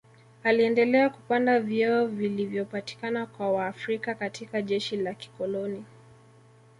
Aliendelea kupanda vyeo vilivyopatikana kwa Waafrika katika jeshi la kikoloni